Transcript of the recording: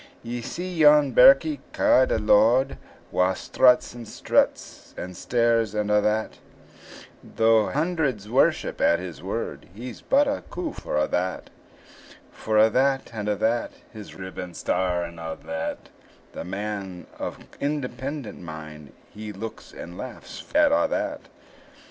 Ye see yon birkie ca'd a lord, Wha struts, and stares, and a' that Though hundreds worship at his word, He's but a coof for a' that; For a' that, and a' that, His riband, star, and a' that; The man of independent mind, He looks and laughs at a' that.